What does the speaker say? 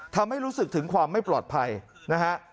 ทำให้รู้สึกถึงความไม่ปลอดภัยนะฮะ